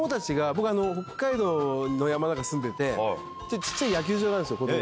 僕北海道の山の中住んでて小っちゃい野球場があるんですよ。